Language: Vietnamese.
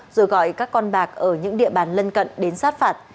rồi gọi các con bạc ở những địa bàn lân cận đến sát phạt